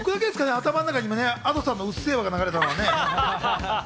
頭の中にＡｄｏさんの『うっせぇわ』が流れたのは。